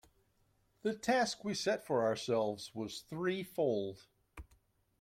The task we set ourselves was threefold.